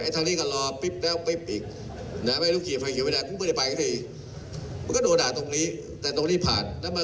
ทั้งกรุงเทพีของน๊ากฟรรณ์เป็นพื้นที่ทำอย่างไร